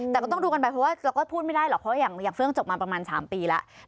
แต่ก็ต้องดูกันไปเพราะว่าเราก็พูดไม่ได้หรอกเพราะอย่างเฟื่องจบมาประมาณ๓ปีแล้ว